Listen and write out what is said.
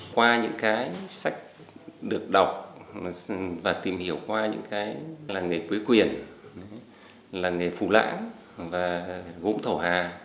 qua những cái sách được đọc và tìm hiểu qua những cái làng nghề quế quyền làng nghề phù lãng và gũ thổ hà